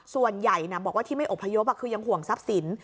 ส่วนใหญ่บอกว่าที่ไม่อบพยพคือยังห่วงทรัพย์สิน